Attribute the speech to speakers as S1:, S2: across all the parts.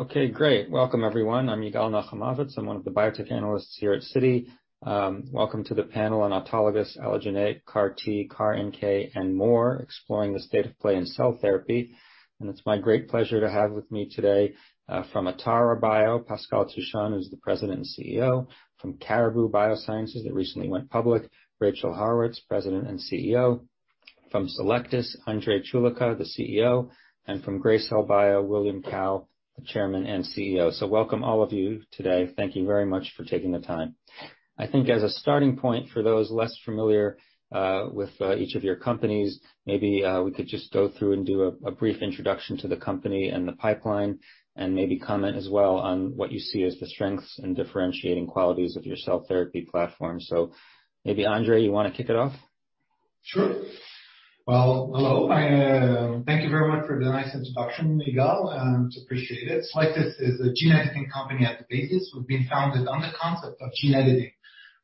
S1: Okay, great. Welcome, everyone. I'm Yigal Nachumovitz. I'm one of the biotech analysts here at Citi. Welcome to the panel on Autologous Allogeneic CAR T, CAR NK, and more, exploring the state of play in cell therapy. It's my great pleasure to have with me today from Atara Biotherapeutics, Pascal Touchon, who's the President and CEO. From Caribou Biosciences, that recently went public, Rachel Haurwitz, President and CEO. From Cellectis, André Choulika, the CEO. From Gracell Biotechnologies, William Cao, the Chairman and CEO. Welcome all of you today. Thank you very much for taking the time. I think as a starting point for those less familiar with each of your companies, maybe we could just go through and do a brief introduction to the company and the pipeline, and maybe comment as well on what you see as the strengths and differentiating qualities of your cell therapy platform. Maybe André, you want to kick it off?
S2: Sure. Well, hello. Thank you very much for the nice introduction, Yigal, and it's appreciated. Cellectis is a gene editing company at the basis. We've been founded on the concept of gene editing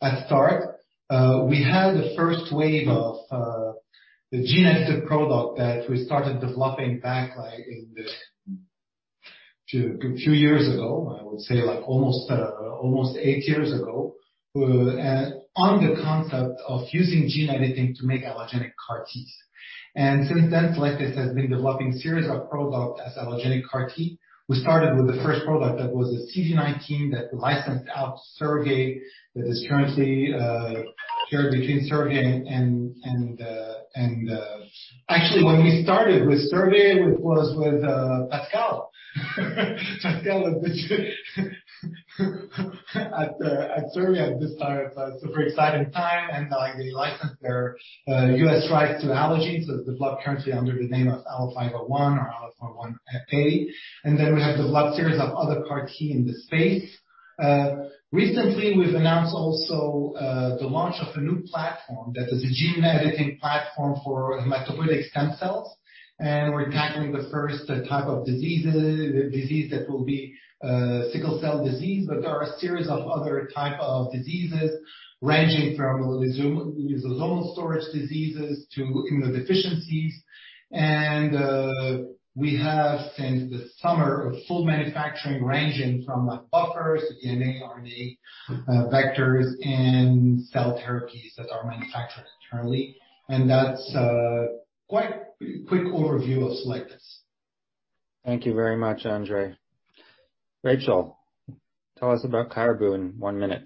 S2: at the start. We had the first wave of the gene-edited product that we started developing back a few years ago, I would say almost eight years ago, on the concept of using gene editing to make allogeneic CAR Ts. Since then, Cellectis has been developing series of product as allogeneic CAR T. We started with the first product that was the CD19 that licensed out to Servier that is currently shared between Servier actually, when we started with Servier, it was with Pascal. Pascal was with Servier at this time. It was a very exciting time, and they licensed their U.S. rights to Allogene, so it's developed currently under the name of ALLO-501 or ALLO-501A. Then we have developed series of other CAR T in this space. Recently, we've announced also the launch of a new platform that is a gene editing platform for hematopoietic stem cells, and we're tackling the first type of disease that will be sickle cell disease, but there are a series of other type of diseases ranging from lysosomal storage diseases to immunodeficiencies. We have, since the summer, a full manufacturing ranging from buffers to DNA, RNA vectors and cell therapies that are manufactured internally. That's a quite quick overview of Cellectis.
S1: Thank you very much, André. Rachel, tell us about Caribou in one minute.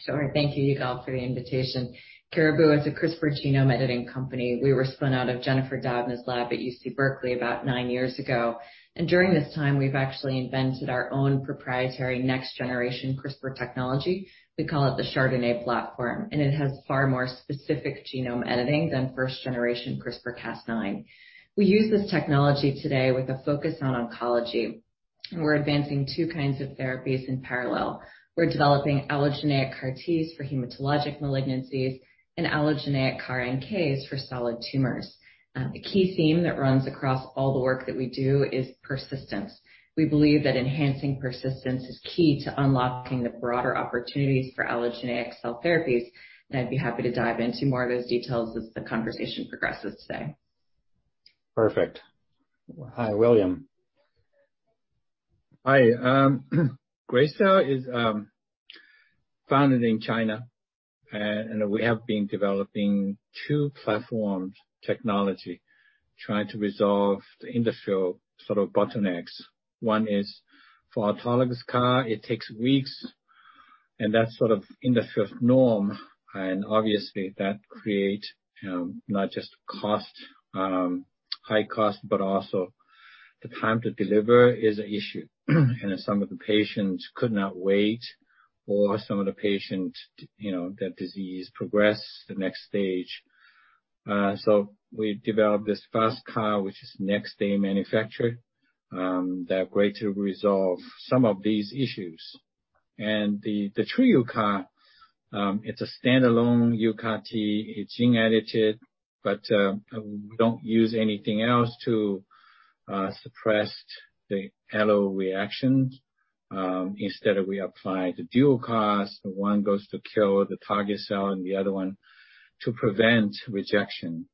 S3: Sure. Thank you, Yigal, for the invitation. Caribou is a CRISPR genome editing company. We were spun out of Jennifer Doudna's lab at UC Berkeley about nine years ago. During this time, we've actually invented our own proprietary next generation CRISPR technology. We call it the chRDNA platform, it has far more specific genome editing than first generation CRISPR-Cas9. We use this technology today with a focus on oncology. We're advancing two kinds of therapies in parallel. We're developing allogeneic CAR Ts for hematologic malignancies and allogeneic CAR NKs for solid tumors. The key theme that runs across all the work that we do is persistence. We believe that enhancing persistence is key to unlocking the broader opportunities for allogeneic cell therapies, I'd be happy to dive into more of those details as the conversation progresses today.
S1: Perfect. Hi, William.
S4: Hi. Gracell is founded in China, we have been developing two platforms technology trying to resolve the industrial bottlenecks. One is for autologous CAR. It takes weeks, and that's sort of industrial norm, and obviously that create not just cost, high cost, but also the time to deliver is an issue. Some of the patients could not wait or some of the patient, their disease progress to the next stage. We developed this FasTCAR, which is next-day manufacture, that way to resolve some of these issues. The TruUCAR, it's a standalone UCAR T. It's gene-edited, but we don't use anything else to suppress the allo reactions. Instead, we apply the dual CAR. One goes to kill the target cell and the other one to prevent rejection,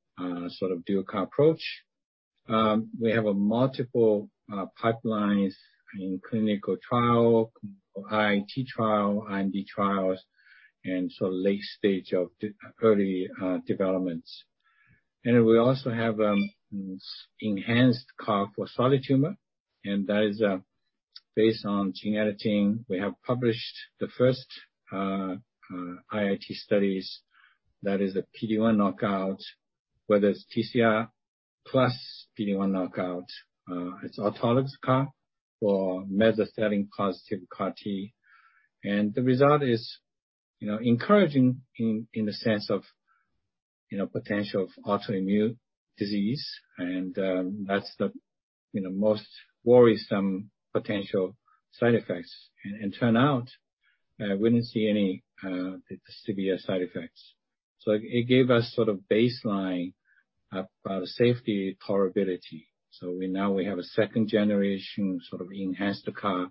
S4: sort of dual CAR approach. We have a multiple pipelines in clinical trial, IIT trial, IND trials, and so late stage of early developments. We also have enhanced CAR for solid tumor, and that is based on gene editing. We have published the first IIT studies, that is a PD-1 knockout, whether it's TCR plus PD-1 knockout. It's autologous CAR for mesothelin-positive CAR T, and the result is encouraging in the sense of potential of autoimmune disease, and that's the most worrisome potential side effects. It turn out we didn't see any severe side effects. It gave us sort of baseline about safety tolerability. Now we have a second generation sort of enhanced CAR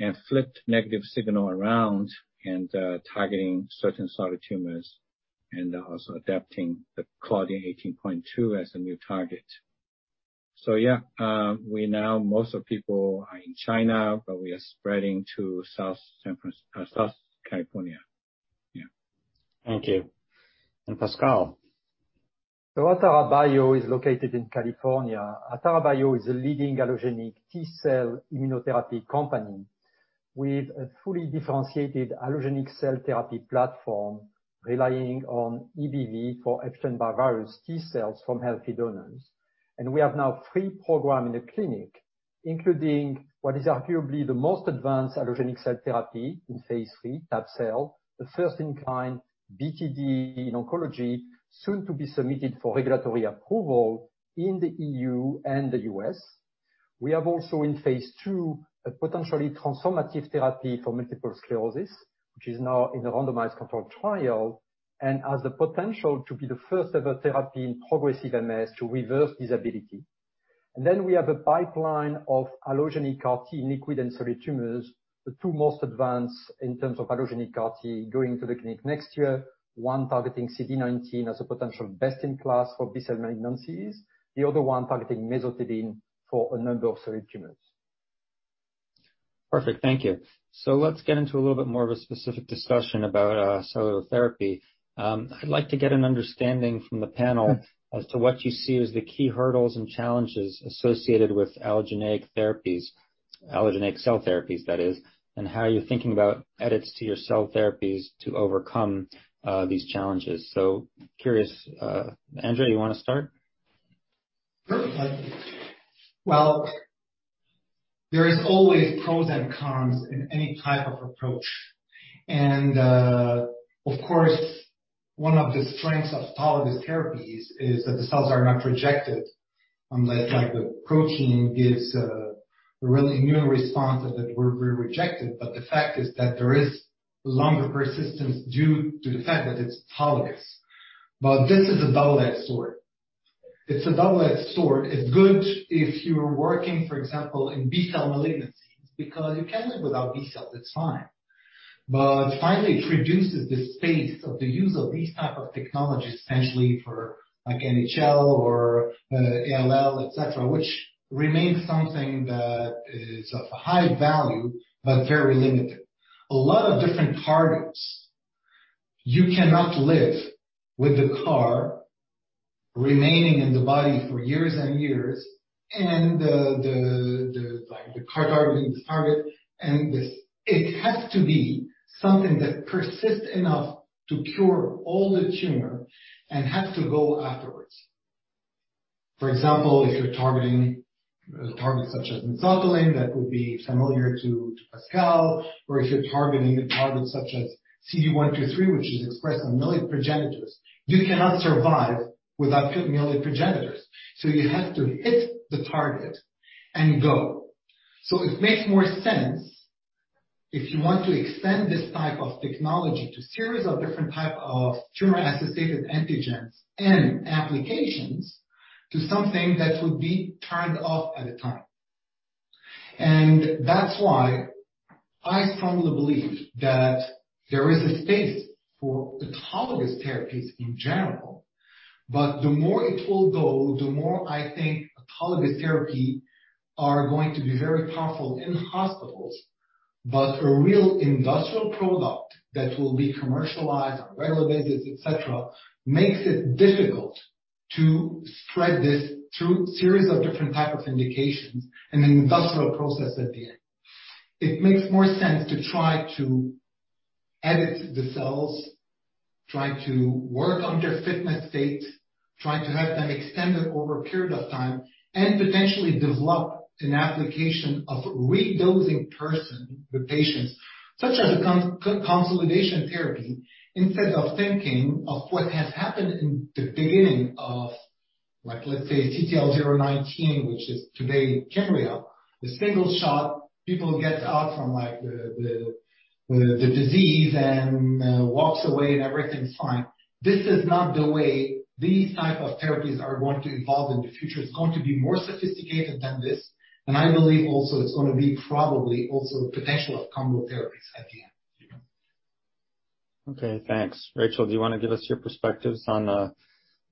S4: and flipped negative signal around and targeting certain solid tumors and also adapting the claudin 18.2 as a new target. Yeah, now most of people are in China, but we are spreading to Southern California. Yeah.
S1: Thank you. Pascal?
S5: Atara Bio is located in California. Atara Bio is a leading allogeneic T-cell immunotherapy company with a fully differentiated allogeneic cell therapy platform relying on EBV for Epstein-Barr virus T-cells from healthy donors. We have now three programs in the clinic, including what is arguably the most advanced allogeneic cell therapy in phase III, tab-cel, the first-in-kind BTD in oncology, soon to be submitted for regulatory approval in the EU and the U.S. We have also in phase II, a potentially transformative therapy for multiple sclerosis, which is now in a randomized control trial and has the potential to be the first-ever therapy in progressive MS to reverse disability. We have a pipeline of allogeneic CAR T in liquid and solid tumors, the two most advanced in terms of allogeneic CAR T going to the clinic next year. One targeting CD19 as a potential best-in-class for B-cell malignancies, the other one targeting mesothelin for a number of solid tumors.
S1: Perfect. Thank you. Let's get into a little bit more of a specific discussion about cellular therapy. I'd like to get an understanding from the panel as to what you see as the key hurdles and challenges associated with allogeneic therapies, allogeneic cell therapies, that is, and how you're thinking about edits to your cell therapies to overcome these challenges. Curious, André, you want to start?
S2: Sure. Well, there is always pros and cons in any type of approach. Of course, one of the strengths of autologous therapies is that the cells are not rejected, unlike the protein gives an immune response that will be rejected. The fact is that there is longer persistence due to the fact that it's autologous. This is a double-edged sword. It's good if you are working, for example, in B-cell malignancies, because you can live without B-cell, that's fine. Finally, it reduces the space of the use of these type of technologies, essentially for NHL or ALL, et cetera, which remains something that is of high value but very limited. A lot of different targets you cannot live with the CAR remaining in the body for years and years, and the CAR targeting the target, and it has to be something that persists enough to cure all the tumor and has to go afterwards. For example, if you're targeting targets such as mesothelin, that would be familiar to Pascal, or if you're targeting a target such as CD123, which is expressed on myeloid progenitors, you cannot survive without myeloid progenitors. You have to hit the target and go. It makes more sense if you want to extend this type of technology to series of different type of tumor-associated antigens and applications to something that would be turned off at a time. That's why I strongly believe that there is a space for autologous therapies in general. The more it will go, the more I think autologous therapy are going to be very powerful in hospitals. A real industrial product that will be commercialized or regulated, et cetera, makes it difficult to spread this through series of different type of indications and an industrial process at the end. It makes more sense to try to edit the cells, try to work on their fitness state, try to have them extended over a period of time, and potentially develop an application of redosing person with patients, such as a consolidation therapy, instead of thinking of what has happened in the beginning of, let's say, CTL019, which is today Kymriah. The one shot people get out from the disease and walks away and everything's fine. This is not the way these type of therapies are going to evolve in the future. It's going to be more sophisticated than this, and I believe also it's going to be probably also the potential of combo therapies at the end.
S1: Okay, thanks. Rachel, do you want to give us your perspectives on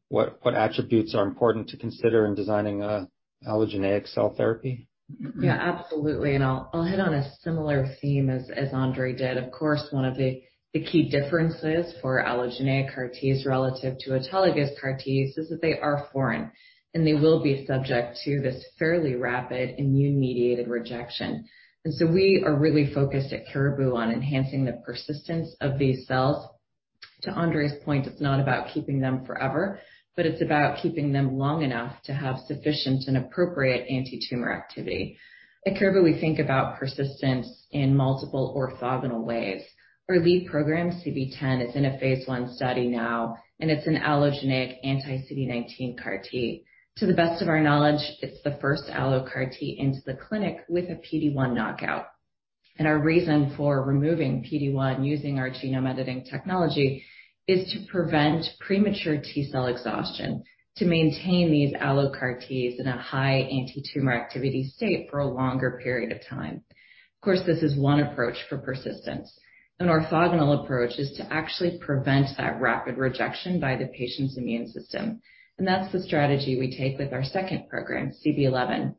S1: what attributes are important to consider in designing an allogeneic cell therapy?
S3: Yeah, absolutely. I'll hit on a similar theme as André did. Of course, one of the key differences for allogeneic CAR Ts relative to autologous CAR Ts is that they are foreign, and they will be subject to this fairly rapid immune-mediated rejection. So we are really focused at Caribou on enhancing the persistence of these cells. To André's point, it's not about keeping them forever, but it's about keeping them long enough to have sufficient and appropriate antitumor activity. At Caribou, we think about persistence in multiple orthogonal ways. Our lead program, CD19, is in a phase I study now, and it's an allogeneic anti-CD19 CAR T. To the best of our knowledge, it's the first allo CAR T into the clinic with a PD-1 knockout. Our reason for removing PD-1 using our genome-editing technology is to prevent premature T-cell exhaustion, to maintain these allo CAR Ts in a high anti-tumor activity state for a longer period of time. Of course, this is one approach for persistence. An orthogonal approach is to actually prevent that rapid rejection by the patient's immune system. That's the strategy we take with our second program, CB-011.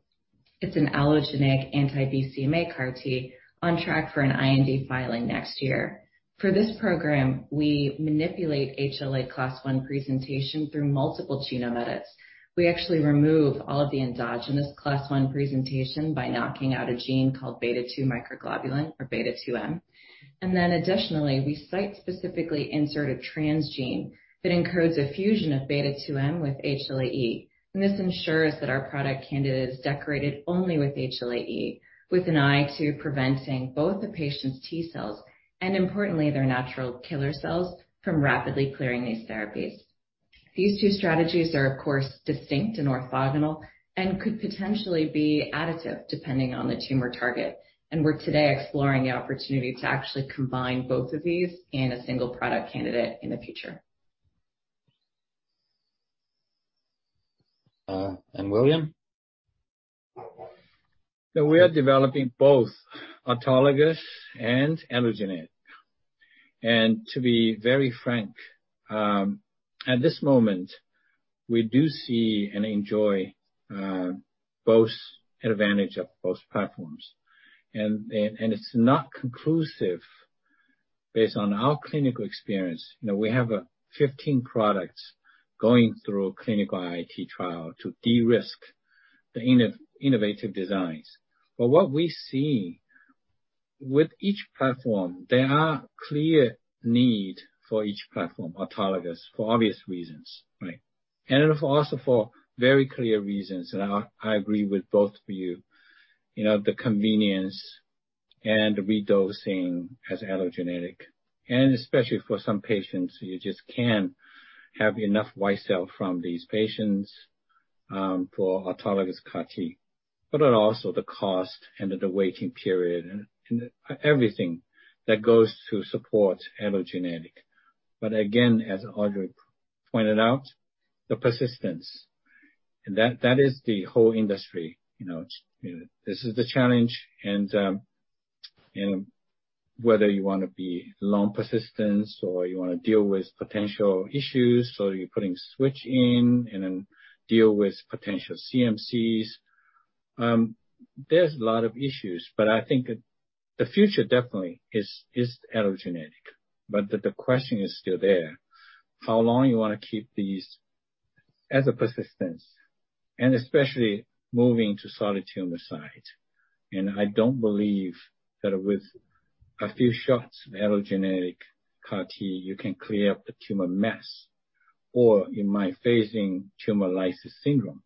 S3: It's an allogeneic anti-BCMA CAR T on track for an IND filing next year. For this program, we manipulate HLA class I presentation through multiple genome-edits. We actually remove all of the endogenous class I presentation by knocking out a gene called beta-2 microglobulin, or beta-2m. Then additionally, we site-specifically insert a transgene that encodes a fusion of beta-2m with HLA-E. This ensures that our product candidate is decorated only with HLA-E, with an eye to preventing both the patient's T cells and importantly, their natural killer cells from rapidly clearing these therapies. These two strategies are, of course, distinct and orthogonal and could potentially be additive depending on the tumor target. We're today exploring the opportunity to actually combine both of these in a single product candidate in the future.
S1: William?
S4: We are developing both autologous and allogeneic. To be very frank, at this moment, we do see and enjoy both advantage of both platforms. It's not conclusive based on our clinical experience. We have 15 products going through clinical IIT trial to de-risk the innovative designs. What we see with each platform, there are clear need for each platform, autologous, for obvious reasons, right? Also for very clear reasons, and I agree with both of you, the convenience and the redosing as allogeneic, and especially for some patients, you just can't have enough T cell from these patients for autologous CAR T. Also the cost and the waiting period and everything that goes to support allogeneic. Again, as André Choulika pointed out, the persistence, and that is the whole industry. This is the challenge, whether you want to be long persistence or you want to deal with potential issues, you're putting switch in and then deal with potential CMC. There's a lot of issues, I think the future definitely is allogeneic. The question is still there. How long you want to keep these as a persistence, especially moving to solid tumor site. I don't believe that with a few shots of allogeneic CAR T, you can clear up the tumor mess or you might facing tumor lysis syndrome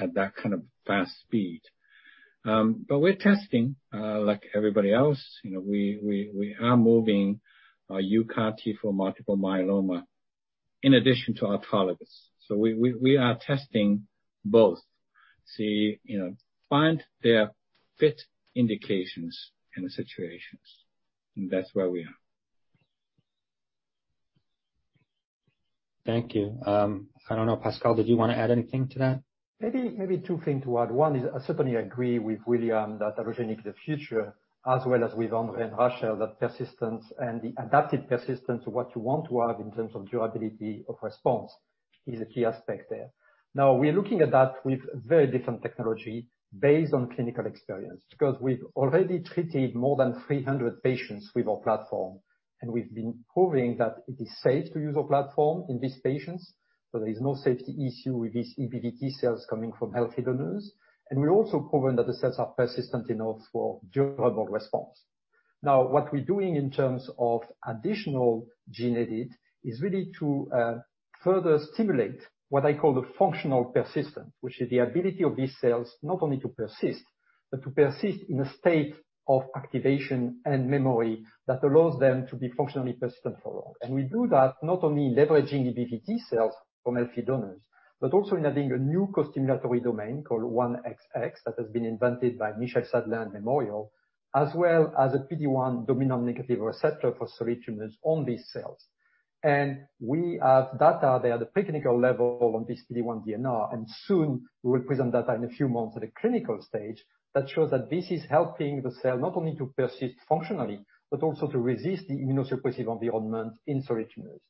S4: at that kind of fast speed. We're testing like everybody else. We are moving a UCAR T for multiple myeloma in addition to autologous. We are testing both. See, find their fit indications in the situations, that's where we are.
S1: Thank you. I don't know, Pascal, did you want to add anything to that?
S5: I certainly agree with William Cao that allogeneic is the future as well as with André Choulika and Rachel Haurwitz, that persistence and the adapted persistence of what you want to have in terms of durability of response is a key aspect there. We're looking at that with very different technology based on clinical experience, because we've already treated more than 300 patients with our platform, and we've been proving that it is safe to use our platform in these patients. There is no safety issue with these EBVT cells coming from healthy donors. We also proven that the cells are persistent enough for durable response. What we're doing in terms of additional gene edit is really to further stimulate what I call the functional persistence, which is the ability of these cells not only to persist, but to persist in a state of activation and memory that allows them to be functionally persistent for long. We do that not only leveraging EBV T cells from healthy donors, but also in adding a new costimulatory domain called 1XX that has been invented by Michel Sadelain, Memorial Sloan Kettering, as well as a PD-1 dominant negative receptor for solid tumors on these cells. We have data there at the preclinical level on this PD-1 DNR, and soon we will present data in a few months at a clinical stage that shows that this is helping the cell not only to persist functionally, but also to resist the immunosuppressive environment in solid tumors.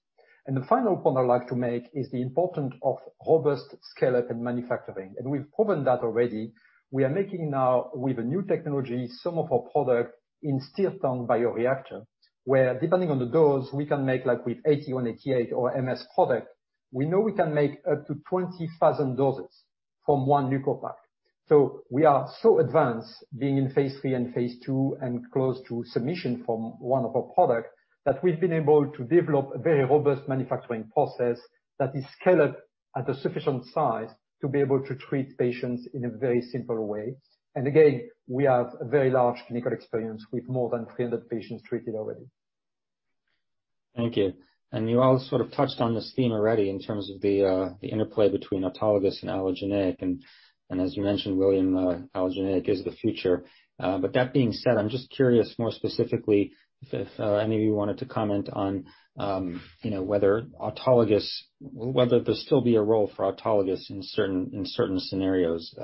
S5: The final point I'd like to make is the important of robust scale-up and manufacturing. We've proven that already. We are making now with a new technology, some of our product in stirred tank bioreactor, where depending on the dose we can make like with ATA188 or MS product, we know we can make up to 20,000 doses from one leukopak. We are so advanced being in phase III and phase II and close to submission from one of our product that we've been able to develop a very robust manufacturing process that is scaled at a sufficient size to be able to treat patients in a very simple way. Again, we have a very large clinical experience with more than 300 patients treated already.
S1: Thank you. You all sort of touched on this theme already in terms of the interplay between autologous and allogeneic, and as you mentioned, William, allogeneic is the future. That being said, I'm just curious more specifically if any of you wanted to comment on whether there'll still be a role for autologous in certain scenarios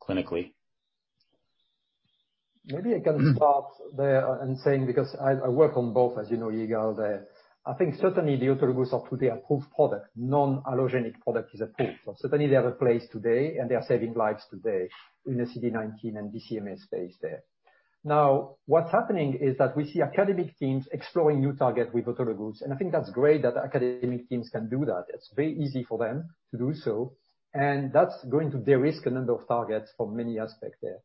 S1: clinically.
S5: I can start there and saying, because I work on both, as you know, Yigal, I think certainly the autologous up to the approved product, non-allogeneic product is approved. Certainly they have a place today, and they are saving lives today in the CD19 and BCMA space there. What's happening is that we see academic teams exploring new target with autologous, and I think that's great that academic teams can do that. It's very easy for them to do so, and that's going to de-risk a number of targets for many aspect there.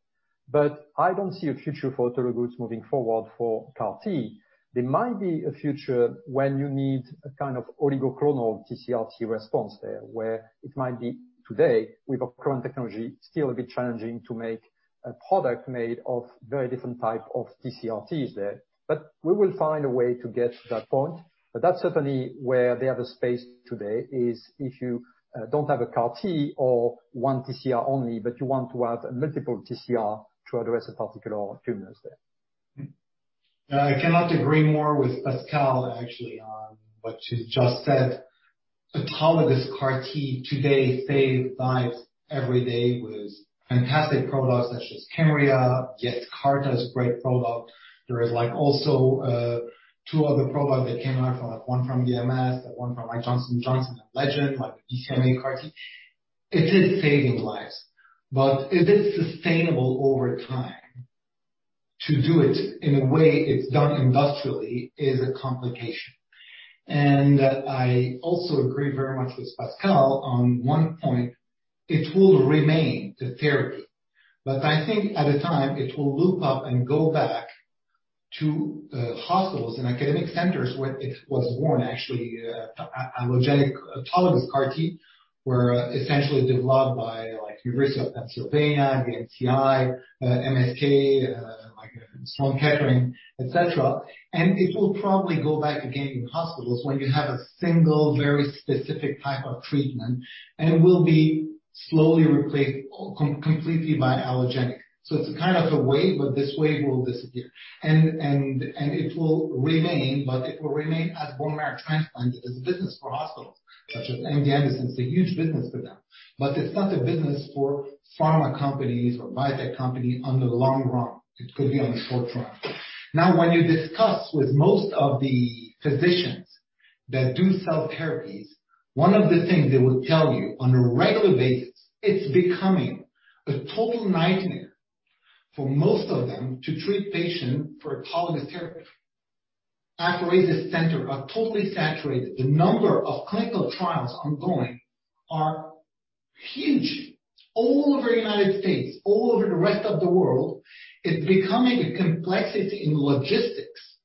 S5: I don't see a future for autologous moving forward for CAR T. There might be a future when you need a kind of oligoclonal TCR response there, where it might be today with our current technology, still a bit challenging to make a product made of very different type of TCRTs there. We will find a way to get to that point. That's certainly where they have a space today, is if you don't have a CAR T or one TCR only, but you want to have multiple TCR to address a particular tumors there.
S2: I cannot agree more with Pascal, actually, on what you just said. Autologous CAR T today save lives every day with fantastic products such as Kymriah, Yescarta is great product. There is also two other product that came out, one from BMS, one from Johnson & Johnson and Legend, like a BCMA CAR T. It is saving lives, but is it sustainable over time to do it in a way it's done industrially is a complication. I also agree very much with Pascal on one point, it will remain the therapy, but I think at a time it will loop up and go back to the hospitals and academic centers where it was born, actually, allogeneic autologous CAR T were essentially developed by University of Pennsylvania, the NCI, MSK, like Sloan Kettering, et cetera. It will probably go back again in hospitals when you have a single very specific type of treatment, and it will be slowly replaced completely by allogeneic. It's a kind of a wave, but this wave will disappear. It will remain, but it will remain as bone marrow transplant, as a business for hospitals such as MD Anderson. It's a huge business for them, but it's not a business for pharma companies or biotech company on the long run. It could be on the short run. Now, when you discuss with most of the physicians that do cell therapies, one of the things they will tell you on a regular basis, it's becoming a total nightmare for most of them to treat patient for autologous therapy. Apheresis center are totally saturated. The number of clinical trials ongoing are huge. All over the U.S., all over the rest of the world, it's becoming a complexity in logistics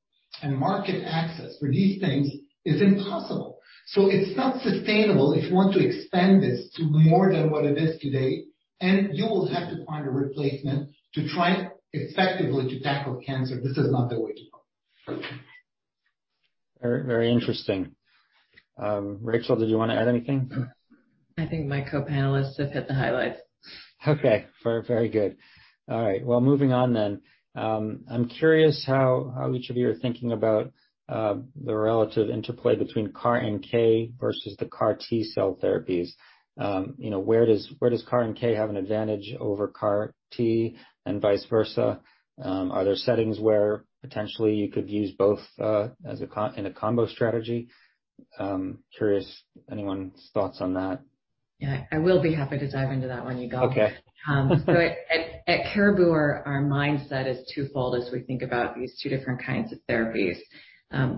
S2: and market access for these things is impossible. It's not sustainable if you want to expand this to more than what it is today, and you will have to find a replacement to try effectively to tackle cancer. This is not the way to go.
S1: Very interesting. Rachel, did you want to add anything?
S3: I think my co-panelists have hit the highlights.
S1: Okay. Very good. All right, well, moving on then. I'm curious how each of you are thinking about the relative interplay between CAR NK versus the CAR T cell therapies. Where does CAR NK have an advantage over CAR T and vice versa? Are there settings where potentially you could use both in a combo strategy? Curious anyone's thoughts on that.
S3: Yeah. I will be happy to dive into that one, Yigal.
S1: Okay.
S3: At Caribou, our mindset is twofold as we think about these, two different kinds of therapies.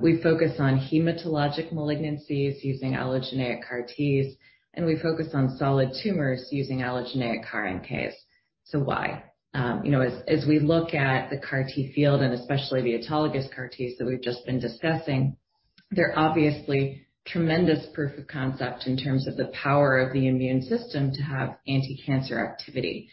S3: We focus on hematologic malignancies using allogeneic CAR Ts, and we focus on solid tumors using allogeneic CAR NK. Why? As we look at the CAR T field, and especially the autologous CAR Ts that we've just been discussing, they're obviously tremendous proof of concept in terms of the power of the immune system to have anticancer activity.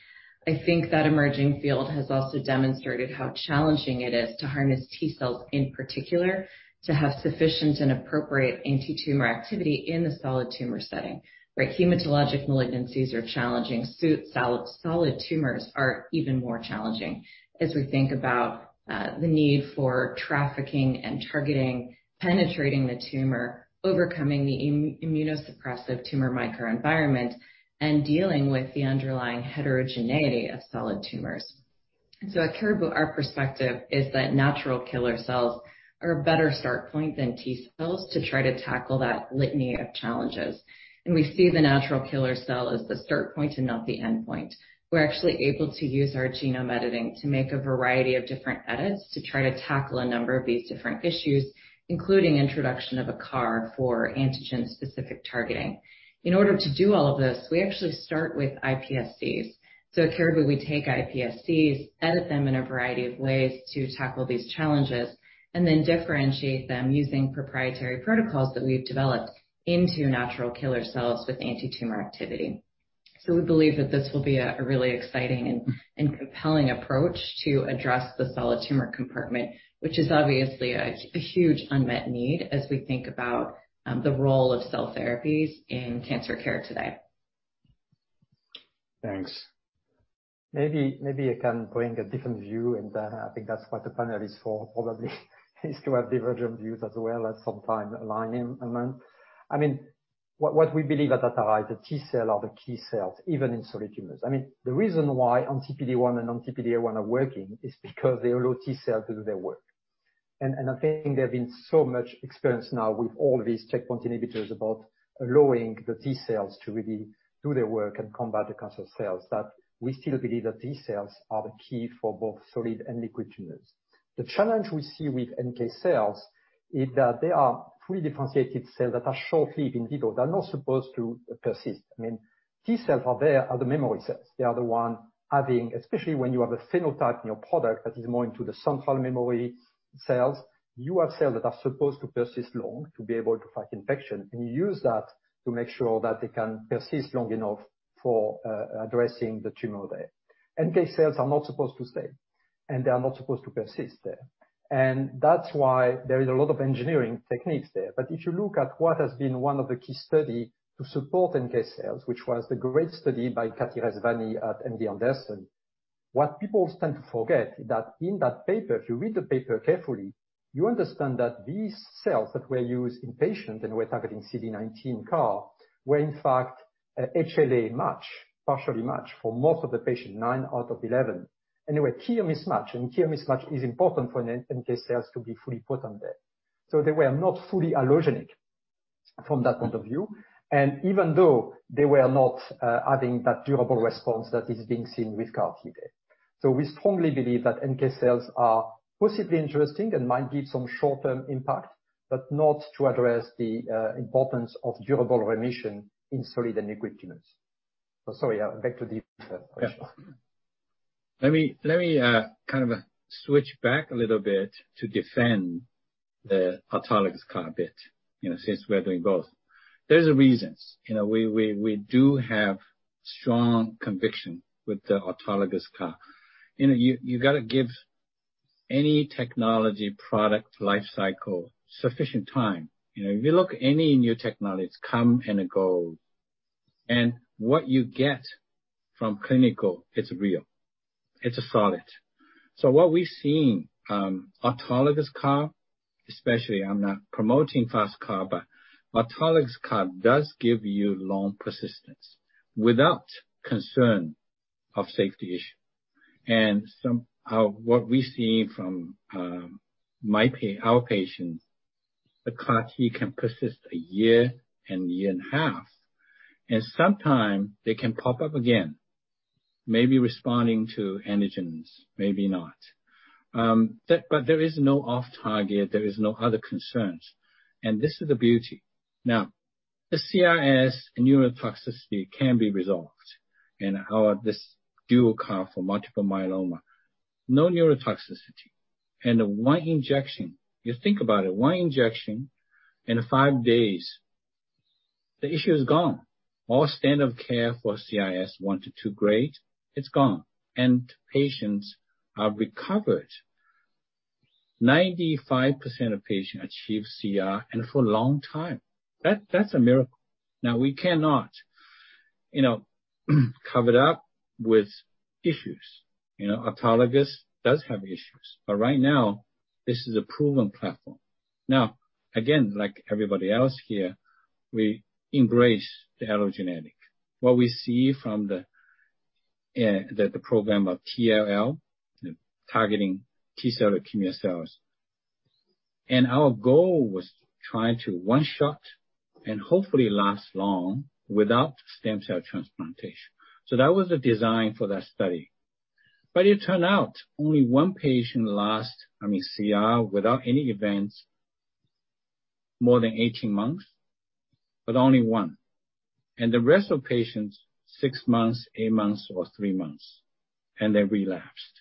S3: I think that emerging field has also demonstrated how challenging it is to harness T cells in particular to have sufficient and appropriate antitumor activity in the solid tumor setting, where hematologic malignancies are challenging, solid tumors are even more challenging as we think about the need for trafficking and targeting, penetrating the tumor, overcoming the immunosuppressive tumor microenvironment, and dealing with the underlying heterogeneity of solid tumors. At Caribou, our perspective is that natural killer cells are a better start point than T cells to try to tackle that litany of challenges, and we see the natural killer cell as the start point and not the endpoint. We're actually able to use our genome editing to make a variety of different edits to try to tackle a number of these different issues, including introduction of a CAR for antigen specific targeting. In order to do all of this, we actually start with iPSCs. At Caribou we take iPSCs, edit them in a variety of ways to tackle these challenges, and then differentiate them using proprietary protocols that we've developed into natural killer cells with antitumor activity. We believe that this will be a really exciting and compelling approach to address the solid tumor compartment, which is obviously a huge unmet need as we think about the role of cell therapies in cancer care today.
S5: Thanks. Maybe I can bring a different view. I think that's what the panel is for, probably, is to have divergent views as well as sometime aligning among. What we believe at Atara is the T-cell are the key cells, even in solid tumors. The reason why on PD-1 and on PD-L1 are working is because they allow T-cell to do their work. I think there have been so much experience now with all these checkpoint inhibitors about allowing the T-cells to really do their work and combat the cancer cells, that we still believe that T-cells are the key for both solid and liquid tumors. The challenge we see with NK cells is that they are fully differentiated cells that are short-lived in vivo. They're not supposed to persist. T-cells are there, are the memory cells. They are the one having, especially when you have a phenotype in your product that is more into the central memory cells, you have cells that are supposed to persist long to be able to fight infection, and you use that to make sure that they can persist long enough for addressing the tumor there. NK cells are not supposed to stay, and they are not supposed to persist there. That's why there is a lot of engineering techniques there. If you look at what has been one of the key study to support NK cells, which was the great study by Katy Rezvani at MD Anderson. What people tend to forget is that in that paper, if you read the paper carefully, you understand that these cells that were used in patient and were targeting CD19 CAR were in fact HLA match, partially match, for most of the patient, nine out of 11. They were idiotypic mismatch, and idiotypic mismatch is important for NK cells to be fully potent there. They were not fully allogeneic from that point of view. Even though they were not adding that durable response that is being seen with CAR T. We strongly believe that NK cells are possibly interesting and might give some short-term impact, but not to address the importance of durable remission in solid and liquid tumors. Sorry, back to the first question.
S4: Let me switch back a little bit to defend the autologous CAR a bit, since we are doing both. There's reasons. We do have strong conviction with the autologous CAR. You got to give any technology product life cycle sufficient time. If you look any new technologies come and it go. What you get from clinical, it's real. It's solid. What we've seen, autologous CAR especially, I'm not promoting FasTCAR, but autologous CAR does give you long persistence without concern of safety issue. What we've seen from our patients, the CAR T can persist a year and a half, and sometimes they can pop up again, maybe responding to antigens, maybe not. There is no off-target, there is no other concerns, this is the beauty. Now, the CRS neurotoxicity can be resolved in our this duoCAR for multiple myeloma. No neurotoxicity. One injection. You think about it, one injection in five days, the issue is gone. All standard of care for CRS grade one to two, it's gone, patients are recovered. 95% of patients achieve CR for a long time. That's a miracle. We cannot cover it up with issues. Autologous does have issues. Right now, this is a proven platform. Again, like everybody else here, we embrace the allogeneic. What we see from the program of T-ALL, targeting T-cell leukemia cells. Our goal was try to one shot and hopefully last long without stem cell transplantation. That was the design for that study. It turned out only one patient last CR without any events more than 18 months, but only 1. The rest of patients, six months, eight months or three months, they relapsed.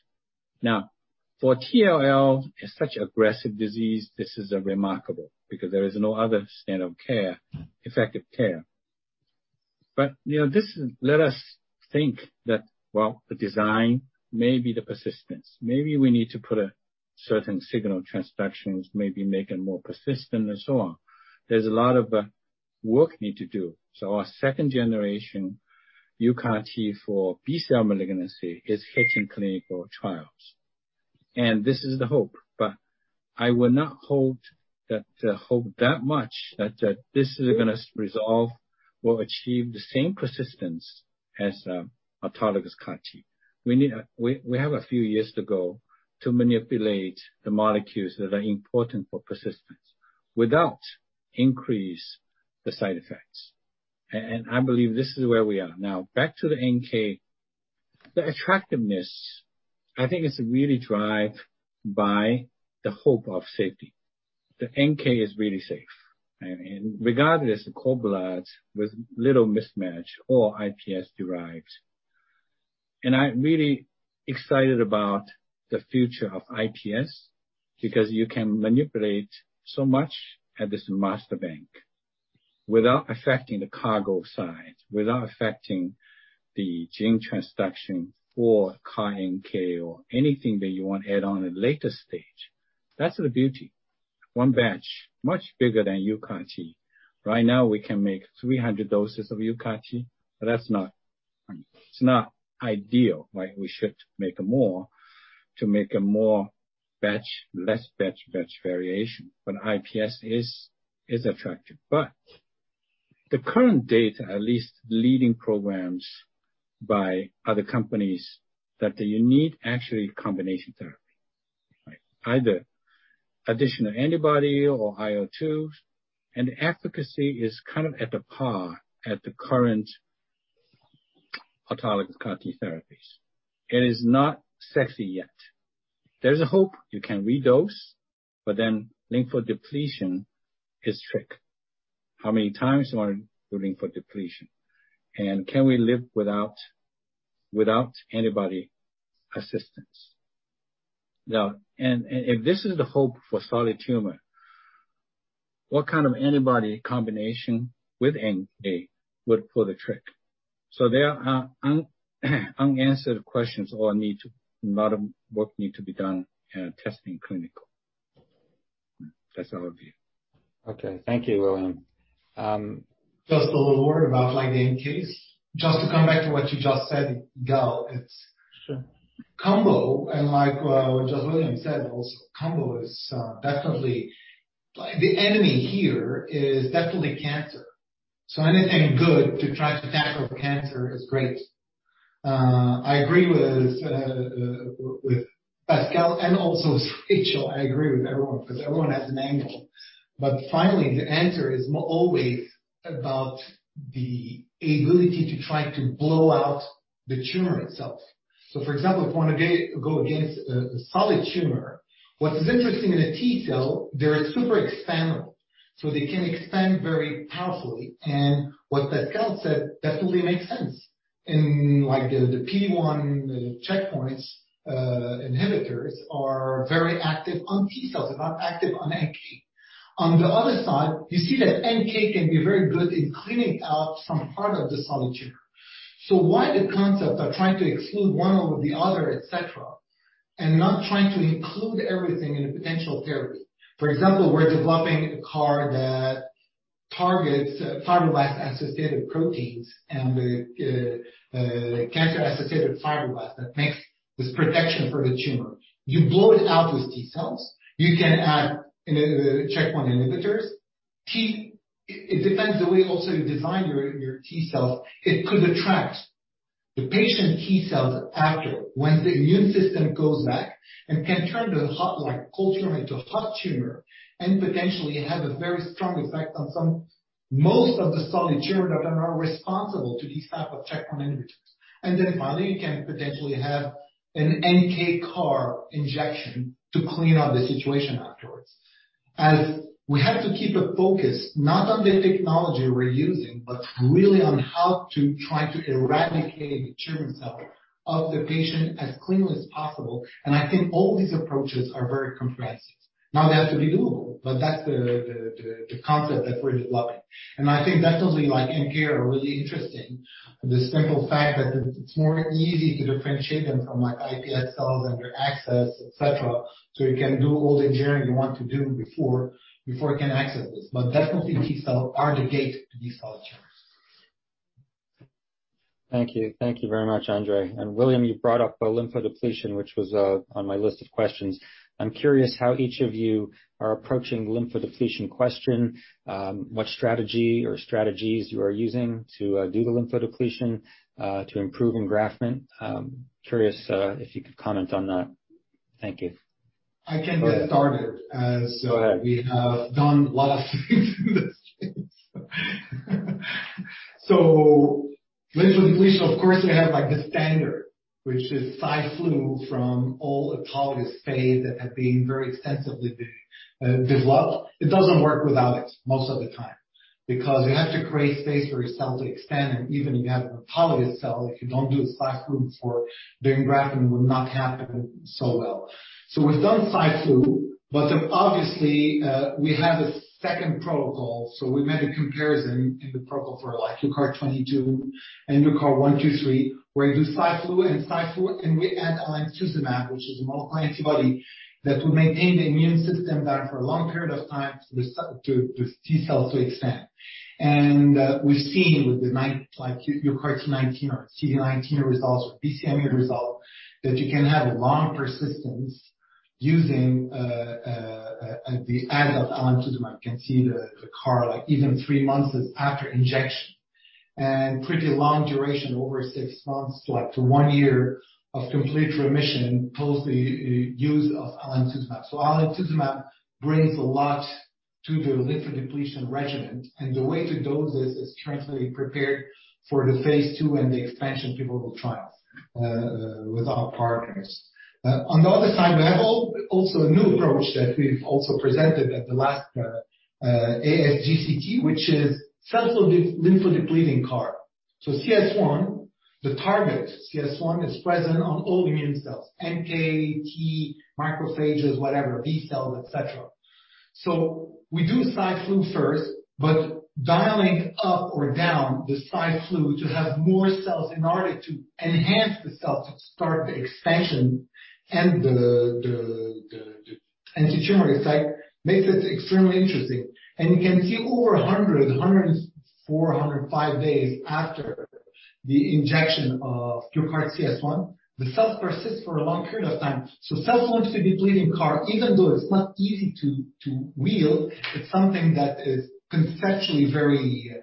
S4: Now, for T-ALL is such aggressive disease, this is remarkable because there is no other standard of care, effective care. This let us think that, well, the design, maybe the persistence, maybe we need to put a certain signal transductions, maybe make it more persistent and so on. There's a lot of work need to do. Our 2nd generation UCAR T for B-cell malignancy is hitting clinical trials. This is the hope. I would not hold that hope that much that this is going to resolve or achieve the same persistence as autologous CAR T. We have a few years to go to manipulate the molecules that are important for persistence without increase the side effects. I believe this is where we are. Now, back to the NK. The attractiveness, I think it's really drive by the hope of safety. The NK is really safe. Regardless of cord blood with little mismatch or iPS derived. I'm really excited about the future of iPS, because you can manipulate so much at this master bank without affecting the cargo size, without affecting the gene transduction or CAR NK or anything that you want to add on at a later stage. That's the beauty. One batch, much bigger than UCART. Now, we can make 300 doses of UCART, that's not ideal, right? We should make more to make a more batch, less batch variation. iPS is attractive. The current data, at least leading programs by other companies, that you need actually combination therapy. Either additional antibody or IL-2, and efficacy is kind of at a par at the current autologous CAR T therapies. It is not sexy yet. There's a hope you can redose, lymphodepletion is trick. How many times you want to do lymphodepletion? Can we live without antibody assistance? If this is the hope for solid tumor, what kind of antibody combination with NK would pull the trick? There are unanswered questions or a lot of work need to be done testing clinical. That's our view.
S1: Okay. Thank you, William.
S2: Just a little word about the NKs. Just to come back to what you just said, Yigal Nachumovitz.
S1: Sure.
S2: Like what William said, also, combo is definitely. The enemy here is definitely cancer. Anything good to try to tackle cancer is great. I agree with Pascal and also Rachel. I agree with everyone, because everyone has an angle. Finally, the answer is always about the ability to try to blow out the tumor itself. For example, if you want to go against a solid tumor, what is interesting in a T-cell, they're super expandable, so they can expand very powerfully. What Pascal said definitely makes sense. In the PD-1 checkpoints inhibitors are very active on T-cells. They're not active on NK. On the other side, you see that NK can be very good in cleaning out some part of the solid tumor. Why the concepts are trying to exclude one over the other, et cetera, and not trying to include everything in a potential therapy. For example, we're developing a CAR that targets fibroblast activation protein and the cancer-associated fibroblast that makes this protection for the tumor. You blow it out with T cells. You can add in checkpoint inhibitors. It depends the way also you design your T cells. It could attract the patient T cells after, once the immune system goes back and can turn the hot culture into hot tumor and potentially have a very strong effect on most of the solid tumor that are responsible to these type of checkpoint inhibitors. Then finally, you can potentially have a CAR NK injection to clean up the situation afterwards. As we have to keep a focus, not on the technology we're using, but really on how to try to eradicate the tumor cell of the patient as cleanly as possible. I think all these approaches are very comprehensive. Not they have to be doable, but that's the concept that we're developing. I think definitely NK are really interesting. The simple fact that it's more easy to differentiate them from iPS cells and their access, et cetera. You can do all the engineering you want to do before you can access this. Definitely, T cells are the gate to these solid tumors.
S1: Thank you. Thank you very much, André. William, you brought up lymphodepletion, which was on my list of questions. I'm curious how each of you are approaching lymphodepletion question, what strategy or strategies you are using to do the lymphodepletion to improve engraftment. Curious if you could comment on that. Thank you.
S2: I can get started.
S1: Go ahead.
S2: As we have done a lot of things. Lymphodepletion, of course, we have the standard, which is Cy/Flu from all autologous phase that had been very extensively developed. It doesn't work without it most of the time, because you have to create space for your cell to expand. Even if you have an autologous cell, if you don't do Cy/Flu before, the engraftment will not happen so well. We've done Cy/Flu, but obviously, we have a second protocol. We made a comparison in the protocol for UCART22 and UCART123, where we do Cy/Flu and Cy/Flu, and we add alemtuzumab, which is a monoclonal antibody that would maintain the immune system down for a long period of time for the T cell to expand. We've seen with the UCART19 or CD19 results or BCMA results, that you can have long persistence using the aid of alemtuzumab. You can see the CAR even three months after injection. Pretty long duration, over six months to one year of complete remission post the use of alemtuzumab. Alemtuzumab brings a lot to the lymphodepletion regimen, and the way to dose this is currently prepared for the phase II and the expansion pivotal trials with our partners. On the other side, I have also a new approach that we've also presented at the last ASGCT, which is cell lymphodepleting CAR. So CS1, the target CS1 is present on all immune cells, NK, T, macrophages, whatever, B-cells, et cetera. We do Cy/Flu first, but dialing up or down the Cy/Flu to have more cells in order to enhance the cells to start the expansion and the antitumor effect makes it extremely interesting. You can see over 100, 104, 105 days after the injection of your CAR T CS1, the cells persist for a long period of time. self-lymphodepleting CAR, even though it is not easy to wield, it is something that is conceptually very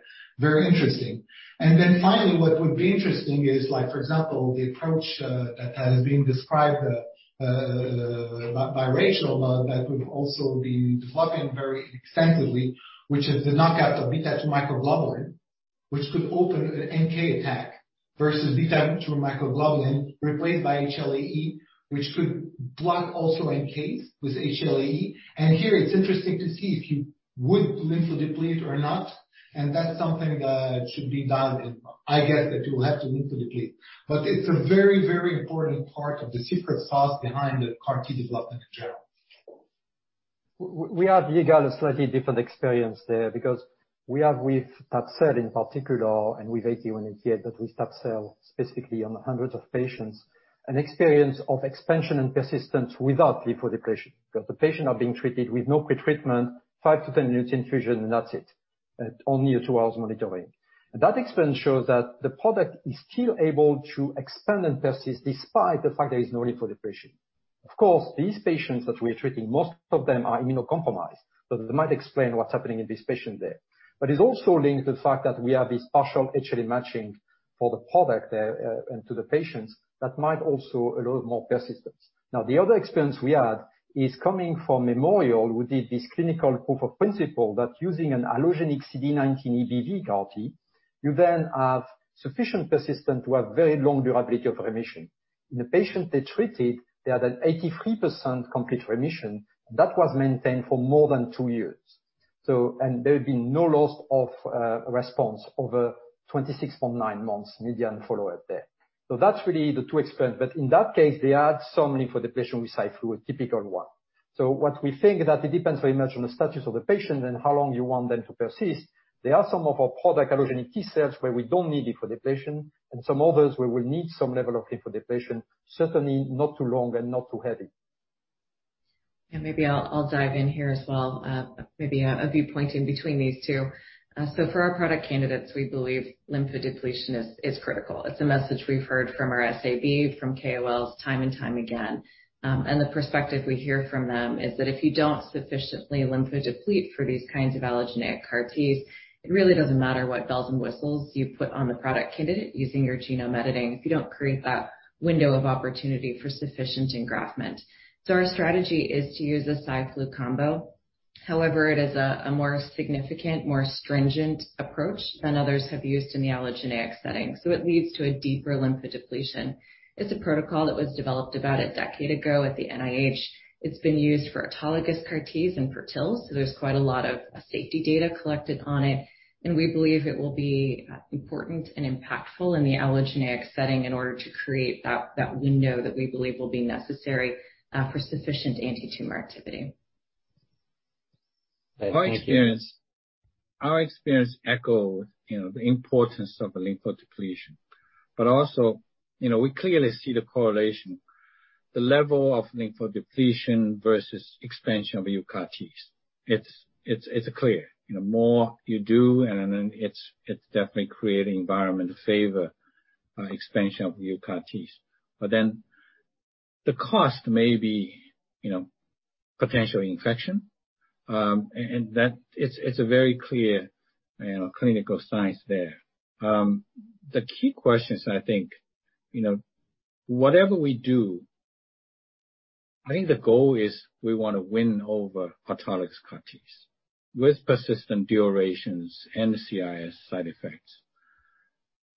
S2: interesting. Finally, what would be interesting is for example, the approach that is being described by Rachel, that could also be developed very extensively, which is the knockout of beta-2 microglobulin, which could open an NK attack versus beta-2 microglobulin replaced by HLA-E, which could block also NK with HLA-E. Here it's interesting to see if you would lymphodeplete or not, and that's something that should be done, and I guess that you will have to lymphodeplete. It's a very, very important part of the secret sauce behind the CAR T development in general.
S5: We at Atara have a slightly different experience there because we have with that cell in particular, and with ATA188, but with that cell specifically on hundreds of patients, an experience of expansion and persistence without lymphodepletion. The patient are being treated with no pretreatment, five to 10 unit infusion, and that's it. Only a two hours monitoring. That experience shows that the product is still able to expand and persist despite the fact there is no lymphodepletion. Of course, these patients that we're treating, most of them are immunocompromised. That might explain what's happening in this patient there. It's also linked to the fact that we have this partial HLA matching for the product there, and to the patients that might also allow more persistence. The other experience we had is coming from Memorial, who did this clinical proof of principle that using an allogeneic CD19 EBV CAR T, you then have sufficient persistence to have very long durability of remission. In the patient they treated, they had an 83% complete remission that was maintained for more than two years. There's been no loss of response over 26.9 months median follow-up there. That's really the two experience. In that case, they had some lymphodepletion with Cy/Flu, a typical one. What we think is that it depends very much on the status of the patient and how long you want them to persist. There are some of our product allogeneic T-cells where we don't need lymphodepletion, and some others where we need some level of lymphodepletion, certainly not too long and not too heavy.
S3: Maybe I'll dive in here as well, maybe a viewpoint in between these two. For our product candidates, we believe lymphodepletion is critical. It's a message we've heard from our SAB, from KOLs time and time again. The perspective we hear from them is that if you don't sufficiently lymphodeplete for these kinds of allogeneic CAR Ts, it really doesn't matter what bells and whistles you put on the product candidate using your genome editing if you don't create that window of opportunity for sufficient engraftment. Our strategy is to use a Cy/Flu combo. However, it is a more significant, more stringent approach than others have used in the allogeneic setting, so it leads to a deeper lymphodepletion. It's a protocol that was developed about a decade ago at the NIH. It's been used for autologous CAR Ts and for TILs. There's quite a lot of safety data collected on it. We believe it will be important and impactful in the allogeneic setting in order to create that window that we believe will be necessary for sufficient antitumor activity.
S1: Thank you.
S4: Our experience echoed the importance of a lymphodepletion. Also, we clearly see the correlation, the level of lymphodepletion versus expansion of UCAR Ts. It's clear. The more you do, and then it's definitely creating an environment to favor expansion of UCAR Ts. The cost may be potential infection, and it's a very clear clinical science there. The key questions, I think, whatever we do, I think the goal is we want to win over autologous CAR Ts with persistent durations and CRS side effects.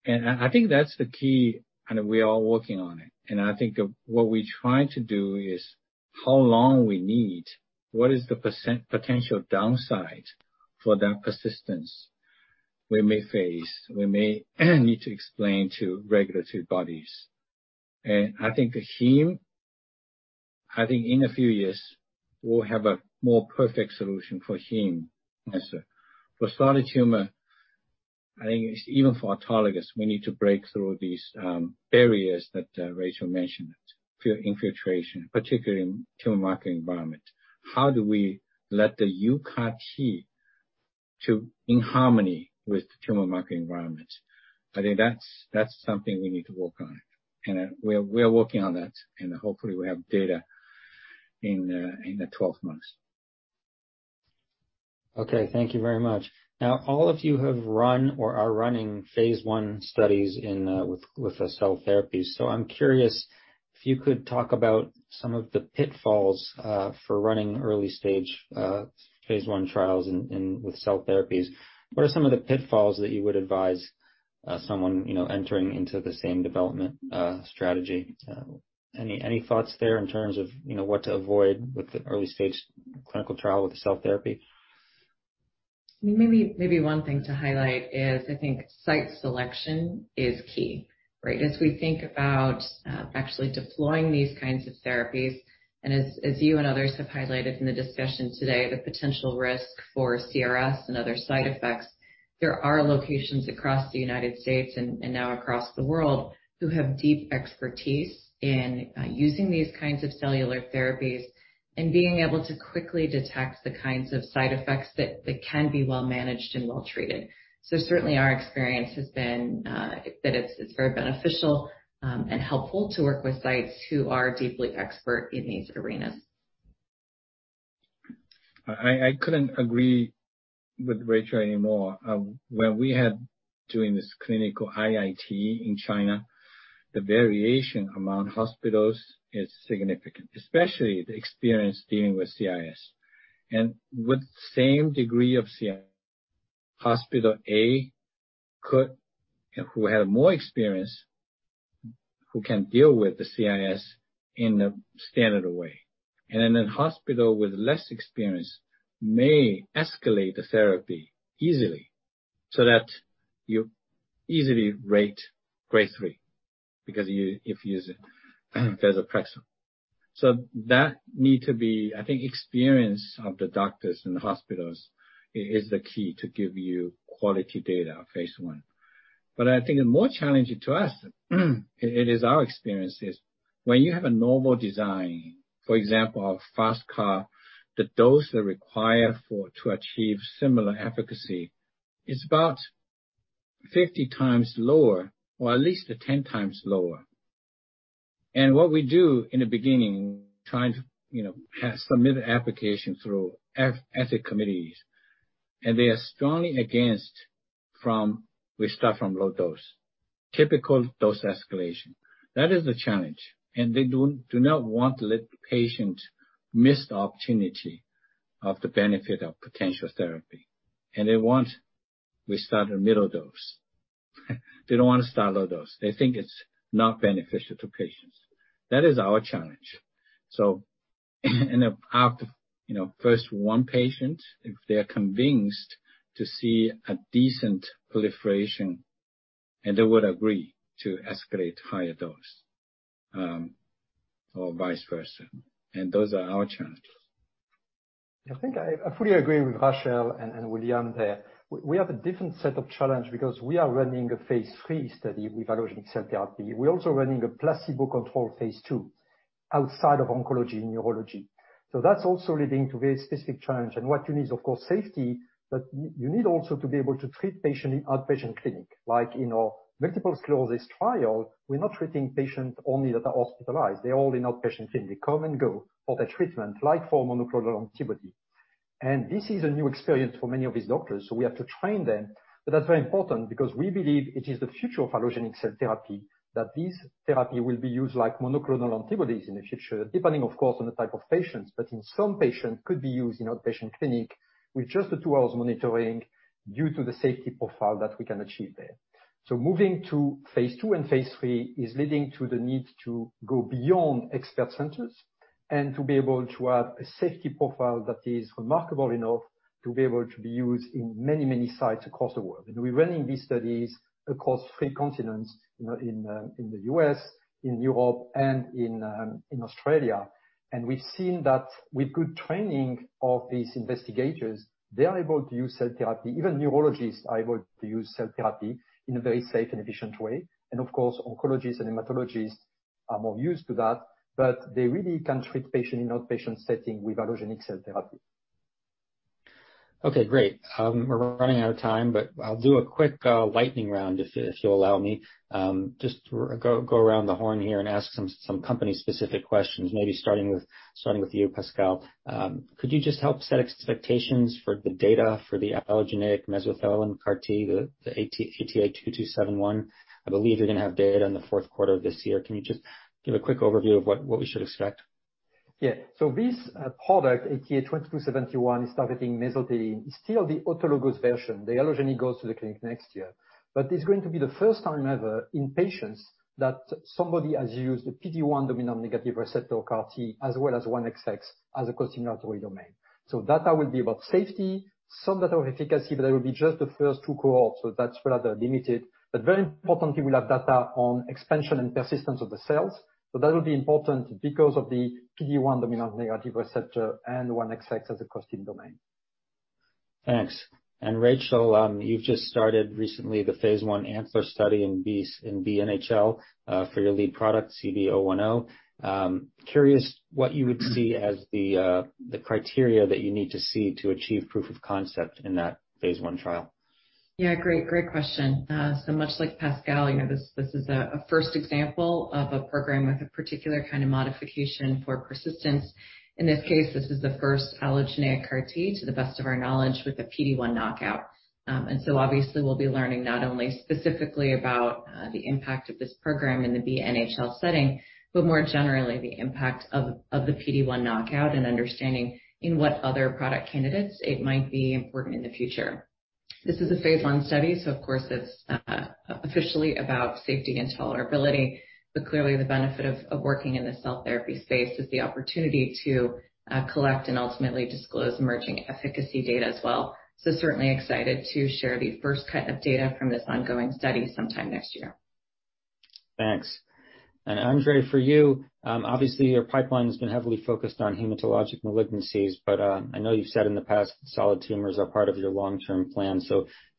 S4: I think that's the key, and we are working on it. I think what we're trying to do is how long we need, what is the potential downside for that persistence we may face, we may need to explain to regulatory bodies. I think for him, I think in a few years, we'll have a more perfect solution for him also. For solid tumor, I think even for autologous, we need to break through these barriers that Rachel mentioned, infiltration, particularly in tumor microenvironment. How do we let the UCAR T in harmony with the tumor microenvironment? I think that's something we need to work on. We are working on that, and hopefully we have data in the 12 months.
S1: Okay. Thank you very much. All of you have run or are running phase I studies with the cell therapies. I'm curious if you could talk about some of the pitfalls for running early stage phase I trials with cell therapies. What are some of the pitfalls that you would advise someone entering into the same development strategy? Any thoughts there in terms of what to avoid with the early stage clinical trial with the cell therapy?
S3: Maybe one thing to highlight is I think site selection is key, right? As we think about actually deploying these kinds of therapies, as you and others have highlighted in the discussion today, the potential risk for CRS and other side effects, there are locations across the United States and now across the world who have deep expertise in using these kinds of cellular therapies and being able to quickly detect the kinds of side effects that can be well managed and well treated. Certainly our experience has been that it's very beneficial and helpful to work with sites who are deeply expert in these arenas.
S4: I couldn't agree with Rachel any more. When we had doing this clinical IIT in China, the variation among hospitals is significant, especially the experience dealing with CRS. With same degree of CRS, hospital A could, who had more experience, who can deal with the CRS in a standard way, and then a hospital with less experience may escalate the therapy easily so that you easily rate grade three because if you use it, there's a pressure. That need to be, I think, experience of the doctors and the hospitals is the key to give you quality data phase I. I think a more challenge to us, it is our experience, is when you have a normal design, for example, a FasTCAR, the dose required to achieve similar efficacy is about 50 times lower or at least 10 times lower. What we do in the beginning, trying to submit application through ethics committees, they are strongly against from we start from low dose, typical dose escalation. That is a challenge. They do not want to let patient miss the opportunity of the benefit of potential therapy. They want we start a middle dose. They don't want to start low dose. They think it's not beneficial to patients. That is our challenge. After first one patient, if they're convinced to see a decent proliferation and they would agree to escalate higher dose, or vice versa. Those are our challenges.
S5: I think I fully agree with Rachel and William there. We have a different set of challenge because we are running a phase III study with allogeneic cell therapy. We're also running a placebo control phase II outside of oncology and neurology. That's also leading to very specific challenge and what you need, of course, safety, but you need also to be able to treat patient in outpatient clinic. Like in our multiple sclerosis trial, we're not treating patients only that are hospitalized. They're all in outpatient clinic. They come and go for their treatment, like for monoclonal antibody. This is a new experience for many of these doctors, so we have to train them, but that's very important because we believe it is the future of allogeneic cell therapy, that this therapy will be used like monoclonal antibodies in the future, depending of course, on the type of patients. In some patients could be used in outpatient clinic with just the two hours monitoring due to the safety profile that we can achieve there. Moving to phase II and phase III is leading to the need to go beyond expert centers and to be able to have a safety profile that is remarkable enough to be able to be used in many sites across the world. We're running these studies across three continents, in the U.S., in Europe, and in Australia. We've seen that with good training of these investigators, they are able to use cell therapy, even neurologists are able to use cell therapy in a very safe and efficient way. Of course, oncologists and hematologists are more used to that, but they really can treat patient in outpatient setting with allogeneic cell therapy.
S1: Okay, great. We're running out of time, but I'll do a quick lightning round if you'll allow me. Just go around the horn here and ask some company specific questions, maybe starting with you, Pascal. Could you just help set expectations for the data for the allogeneic mesothelin CAR T, the ATA2271? I believe you're going to have data in the fourth quarter of this year. Can you just give a quick overview of what we should expect?
S5: Yeah. This product, ATA2271, is targeting mesothelin, still the autologous version. The allogeneic goes to the clinic next year. It's going to be the first time ever in patients that somebody has used a PD-1 dominant negative receptor CAR T as well as 1XX as a costimulatory domain. Data will be about safety, some data on efficacy, that will be just the first two cohorts, that's rather limited. Very importantly, we'll have data on expansion and persistence of the cells. That will be important because of the PD-1 dominant negative receptor and 1XX as a costim domain.
S1: Thanks. Rachel, you've just started recently the phase I ANTLER study in BNHL for your lead product, CB-010. Curious what you would see as the criteria that you need to see to achieve proof of concept in that phase I trial.
S3: Yeah, great question. Much like Pascal, this is a first example of a program with a particular kind of modification for persistence. In this case, this is the first allogeneic CAR T, to the best of our knowledge, with a PD-1 knockout. Obviously, we'll be learning not only specifically about the impact of this program in the BNHL setting, but more generally, the impact of the PD-1 knockout and understanding in what other product candidates it might be important in the future. This is a phase I study, of course it's officially about safety and tolerability, but clearly the benefit of working in the cell therapy space is the opportunity to collect and ultimately disclose emerging efficacy data as well. Certainly excited to share the first cut of data from this ongoing study sometime next year.
S1: Thanks. Andre, for you, obviously your pipeline has been heavily focused on hematologic malignancies, but I know you've said in the past solid tumors are part of your long-term plan.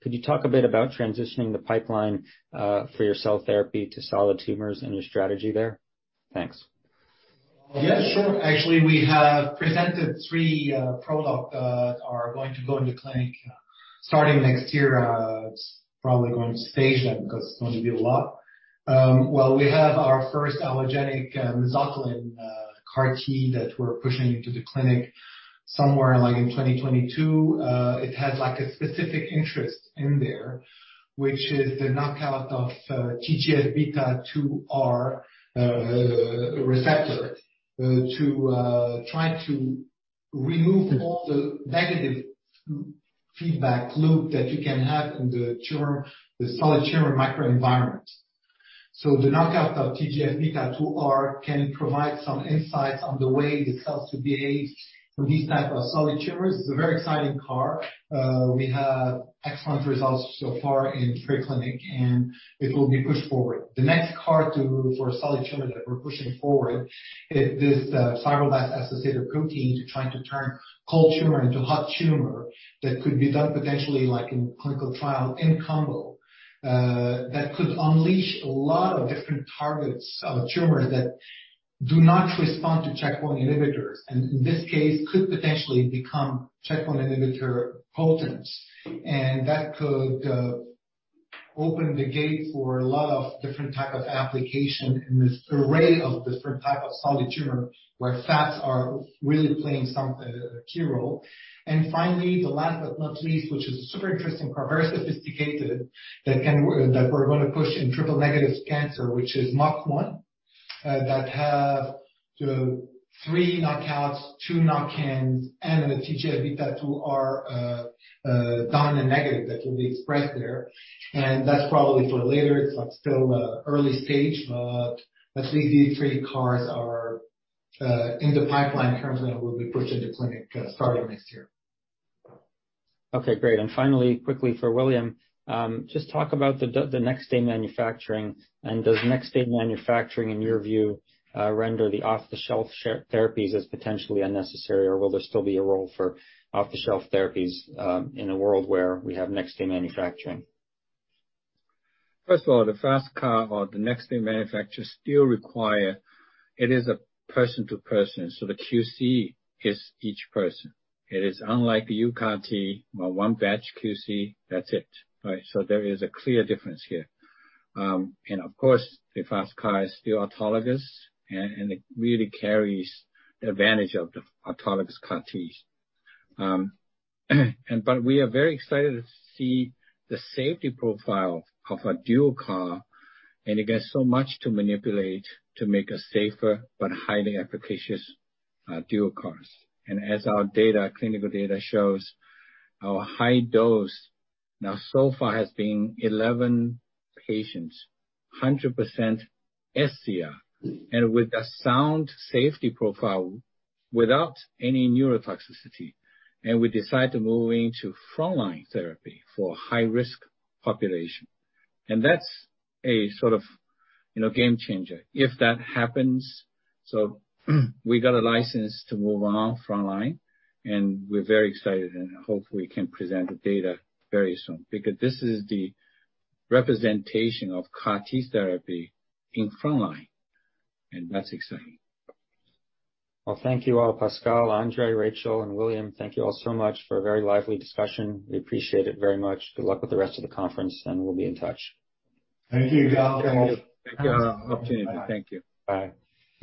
S1: Could you talk a bit about transitioning the pipeline for your cell therapy to solid tumors and your strategy there? Thanks.
S2: We have presented three programs that are going to go into clinic starting next year. It's probably going to stage them because it's going to be a lot. We have our first allogeneic mesothelin CAR T that we're pushing into the clinic somewhere in 2022. It has a specific interest in there, which is the knockout of TGF-beta R2 receptor to try to remove all the negative feedback loop that you can have in the solid tumor microenvironment. The knockout of TGF-beta R2 can provide some insights on the way the cells to behave for these type of solid tumors. It's a very exciting CAR. We have excellent results so far in pre-clinic, and it will be pushed forward. The next CAR T, for solid tumor that we're pushing forward is this fibroblast activation protein to try to turn cold tumor into hot tumor that could be done potentially in clinical trial in combo, that could unleash a lot of different targets of tumors that do not respond to checkpoint inhibitors, in this case could potentially become checkpoint inhibitor potent. That could open the gate for a lot of different type of application in this array of different type of solid tumor where FAPs are really playing some key role. Finally, the last but not least, which is a super interesting, very sophisticated that we're going to push in triple-negative breast cancer, which is MUC1, that have the three knockouts, two knock-ins, and the TGF-beta R2 dominant negative that will be expressed there. That's probably for later. It's still early stage. I think these three CARs are in the pipeline in terms of will be pushed into clinic starting next year.
S1: Okay, great. Finally, quickly for William, just talk about the next day manufacturing, and does next day manufacturing, in your view, render the off-the-shelf therapies as potentially unnecessary, or will there still be a role for off-the-shelf therapies in a world where we have next day manufacturing?
S4: First of all, the FasTCAR or the next day manufacture still require it is a person-to-person. The QC hits each person. It is unlike the UCAR T, 1 batch QC, that's it, right? There is a clear difference here. Of course, the FasTCAR is still autologous, and it really carries the advantage of the autologous CAR T. We are very excited to see the safety profile of a duoCAR, and it has so much to manipulate to make a safer but highly efficacious duoCARs. As our clinical data shows, our high dose now so far has been 11 patients, 100% sCR, and with a sound safety profile without any neurotoxicity. We decide to move into frontline therapy for high-risk population. That's a sort of game changer. If that happens, we got a license to move on frontline, and we're very excited and hope we can present the data very soon because this is the representation of CAR T therapy in frontline, and that's exciting.
S1: Thank you all, Pascal, André, Rachel, and William. Thank you all so much for a very lively discussion. We appreciate it very much. Good luck with the rest of the conference, and we'll be in touch.
S2: Thank you.
S4: Thank you. Thank you all for the opportunity. Thank you.
S1: Bye.